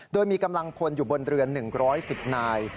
โดยมีกำลังพลอยู่บนเรือ๑๑๐นาย